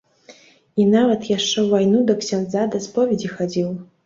І нават яшчэ ў вайну да ксяндза да споведзі хадзіў.